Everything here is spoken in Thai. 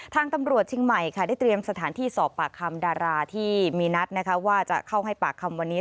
ทางตำรวจเชียงใหม่ค่ะได้เตรียมสถานที่สอบปากคำดาราที่มีนัดนะคะว่าจะเข้าให้ปากคำวันนี้